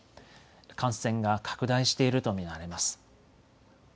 感染が拡大していると見られます。